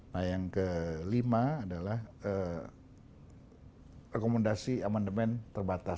nah yang kelima adalah rekomendasi amandemen terbatas